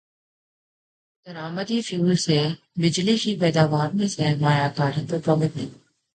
درامدی fuel سے بجلی کی پیداوار میں سرمایہ کاری پر پابندی